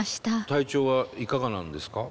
体調はいかがなんですか？